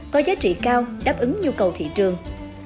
có giá trị cao đáp ứng nhu cầu thị trường